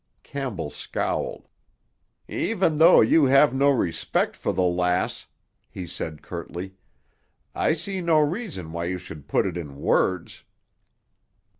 Campbell scowled. "Even though you have no respect for the lass," he said curtly, "I see no reason why you should put it in words."